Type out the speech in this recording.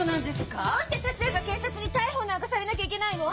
どうして達也が警察に逮捕なんかされなきゃいけないの！？